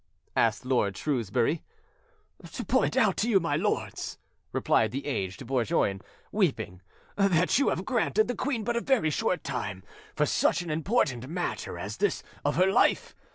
asked Lord Shrewsbury. "To point out to you, my lords," replied the aged Bourgoin, weeping, "that you have granted the queen but a very short time for such an important matter as this of her life.